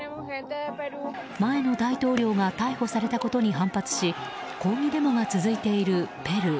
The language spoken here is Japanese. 前の大統領が逮捕されたことに反発し抗議デモが続いているペルー。